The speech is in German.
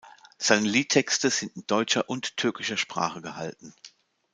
Seine Liedtexte sind deutscher und türkischer Sprache gehalten.